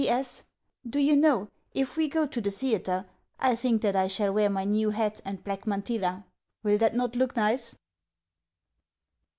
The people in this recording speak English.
P.S. Do you know, if we go to the theatre, I think that I shall wear my new hat and black mantilla. Will that not look nice?